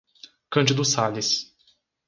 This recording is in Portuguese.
Cândido Sales